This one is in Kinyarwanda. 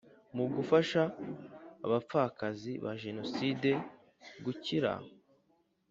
mu gufasha abapfakazi ba Jenoside gukira